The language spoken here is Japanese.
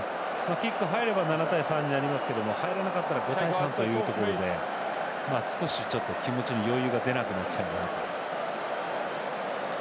キック入れば７対３になりますけれども入らなかったら５対３というところで気持ちに余裕が出なくなっちゃうので。